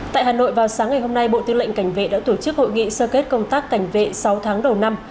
tại hà nội vào sáng ngày hôm nay bộ tư lệnh cảnh vệ đã tổ chức hội nghị sơ kết công tác cảnh vệ sáu tháng đầu năm